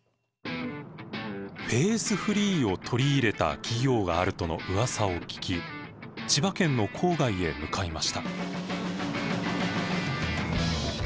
フェーズフリーを取り入れた企業があるとのうわさを聞き千葉県の郊外へ向かいました。